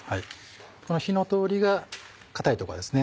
この火の通りが硬い所はですね